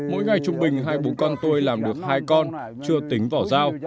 mỗi ngày trung bình hai bố con tôi làm được hai con chưa tính vỏ dao